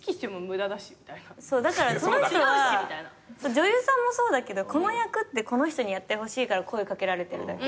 だからその人は女優さんもそうだけどこの役この人にやってほしいから声掛けられてるだけで。